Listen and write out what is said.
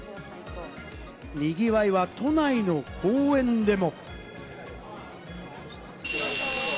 にぎわいは都内の公園でも。